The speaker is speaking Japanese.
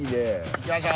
行きましょ。